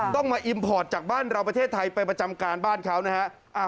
ต้องมาอิมพอร์ตจากบ้านเราประเทศไทยไปประจำการบ้านเขานะฮะ